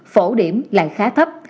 phổ điểm là khá thấp